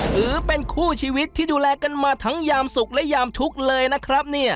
ถือเป็นคู่ชีวิตที่ดูแลกันมาทั้งยามสุขและยามทุกข์เลยนะครับเนี่ย